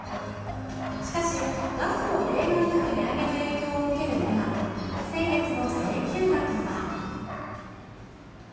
しかし、ガスも例外なく値上げの影響を受ける今、先月の請求額は。